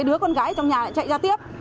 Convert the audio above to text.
thương đi mang đi viện